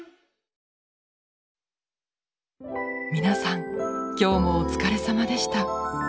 皆さん今日もお疲れ様でした。